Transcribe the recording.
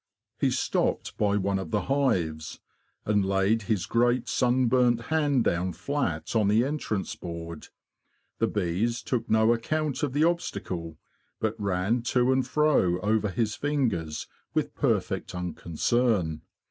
He stopped by one of the hives, and laid his great sunburnt hand down flat on the entrance board. The bees took no account of the obstacle, but ran to and fro over his fingers with perfect unconcern.